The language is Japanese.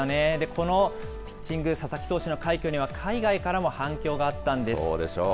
このピッチング、佐々木投手の快挙には海外からも反響があったんそうでしょう。